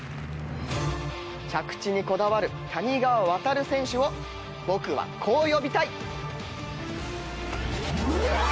着地にこだわる谷川航選手を僕はこう呼びたい。